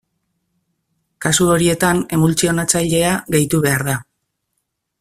Kasu horietan emultsionatzailea gehitu behar da.